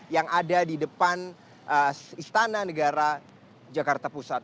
yang ada di depan istana negara jakarta pusat